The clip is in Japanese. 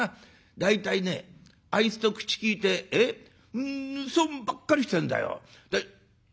大体ねあいつと口利いて損ばっかりしてんだよ。